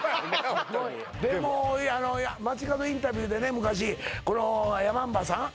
ホントにでも街角インタビューでね昔このヤマンバさん？